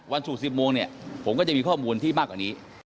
วันศูนย์๑๐โมงผมก็จะมีข้อมูลที่มากกว่านี้